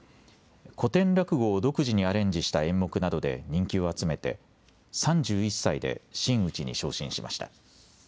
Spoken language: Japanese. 古典落語を独自にアレンジした演目などで人気を集めて３１歳で真打に昇進しました。